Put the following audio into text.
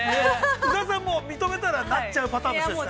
◆宇賀さんも、認めたらなっちゃうパターンですね。